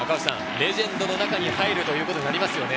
レジェンドの中に入るということになりますね。